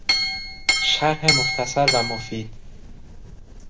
شرح مختصر و مفید